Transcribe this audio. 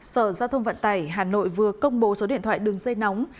sở giao thông vận tải hà nội vừa công bố số điện thoại đường dây nóng